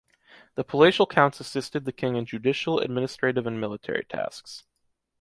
The palatial counts assisted the king in judicial, administrative and military tasks.